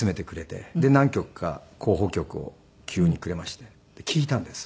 で何曲か候補曲を急にくれまして聞いたんです。